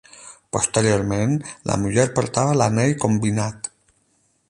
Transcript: Posteriorment, la muller portava l'anell combinat.